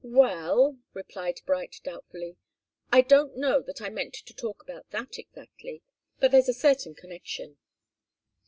"Well," replied Bright, doubtfully. "I don't know that I meant to talk about that exactly. But there's a certain connection.